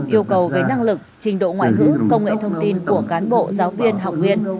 yêu cầu về năng lực trình độ ngoại ngữ công nghệ thông tin của cán bộ giáo viên học viên